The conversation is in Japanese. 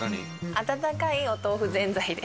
温かいお豆腐ぜんざいです。